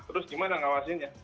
terus gimana ngawasinnya